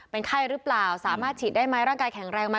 เป็นไข้หรือเปล่าสามารถฉีดได้ไหมร่างกายแข็งแรงไหม